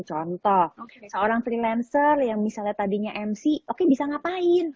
contoh seorang freelancer yang misalnya tadinya mc oke bisa ngapain